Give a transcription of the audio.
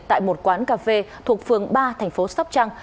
tại một quán cà phê thuộc phường ba tp sóc trăng